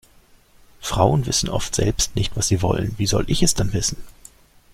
Frauen wissen oft selbst nicht, was sie wollen, wie soll ich es dann wissen?